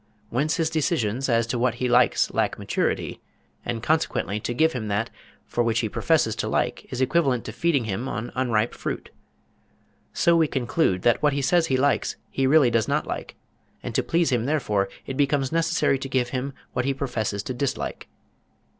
Whence his decisions as to what he likes lack maturity, and consequently to give him that for which he professes to like is equivalent to feeding him on unripe fruit. So we conclude that what he says he likes he really does not like, and to please him therefore, it becomes necessary to give him what he professes to dislike.